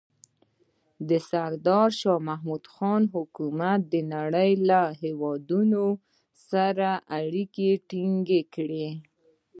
د سردار شاه محمود خان حکومت د نړۍ له هېوادونو سره اړیکې ټینګې کړې.